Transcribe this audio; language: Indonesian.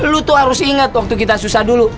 lu tuh harus ingat waktu kita susah dulu